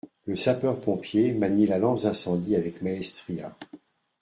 Le sapeur-pompier manie la lance d’incendie avec maestria.